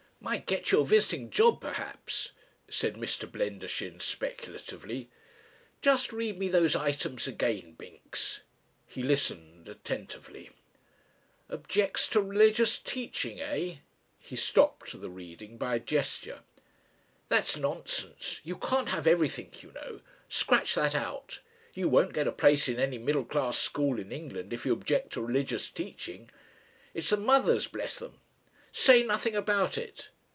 "Might get you a visiting job, perhaps," said Mr. Blendershin speculatively. "Just read me those items again, Binks." He listened attentively. "Objects to religious teaching! Eh?" He stopped the reading by a gesture, "That's nonsense. You can't have everything, you know. Scratch that out. You won't get a place in any middle class school in England if you object to religious teaching. It's the mothers bless 'em! Say nothing about it.